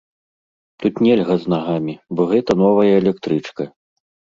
Тут нельга з нагамі, бо гэта новая электрычка.